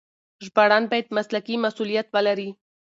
ژباړن بايد مسلکي مسؤليت ولري.